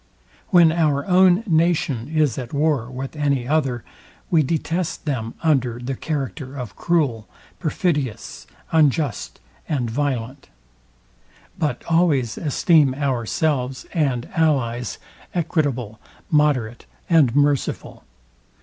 When our own nation is at war with any other, we detest them under the character of cruel, perfidious, unjust and violent: But always esteem ourselves and allies equitable, moderate, and merciful.